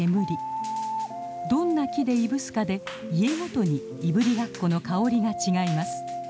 どんな木でいぶすかで家ごとにいぶりがっこの香りが違います。